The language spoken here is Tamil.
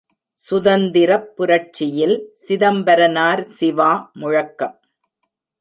சுதந்திரப் புரட்சியில் சிதம்பரனார் சிவா முழக்கம்.